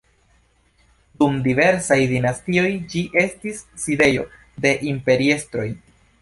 Dum diversaj dinastioj ĝi estis sidejo de imperiestroj.